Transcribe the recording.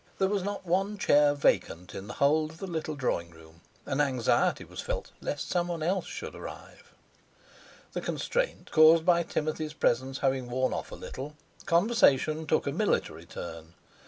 There was not one chair vacant in the whole of the little drawing room, and anxiety was felt lest someone else should arrive. The constraint caused by Timothy's presence having worn off a little, conversation took a military turn.